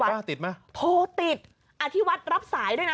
โทรติดป่ะโทรติดอธิวัตรรับสายด้วยนะ